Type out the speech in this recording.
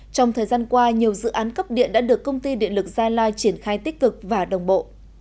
trong thời gian qua nhiều dự án cấp điện đã được công ty điện lực gia lai triển khai tích cực và đồng bộ